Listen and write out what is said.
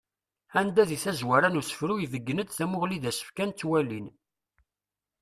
Anda di tazwara n usefru ibeggen-d tamuɣli i d-as-fkan twalin.